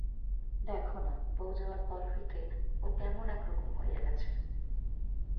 দেখো-না, বউ যাওয়ার পর হইতে ও কেমন একরকম হইয়া গেছে।